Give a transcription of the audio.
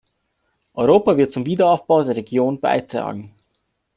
Europa wird zum Wiederaufbau der Region beitragen.